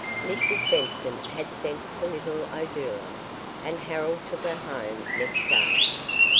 Mrs Benson had sent for little O'Doolan, and Harold took her home next day.